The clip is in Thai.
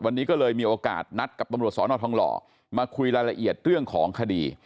วันนี้ก็เลยมีโอกาสนัดกับตำรวจสอนอทองหล่อมาคุยรายละเอียดเรื่องของคดี